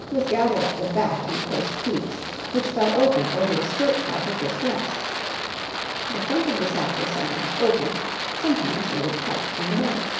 The sacque was gathered at the back in close pleats, which fell open over the skirt part of this dress. The front of the sacque was sometimes open, sometimes made tight in the bodice.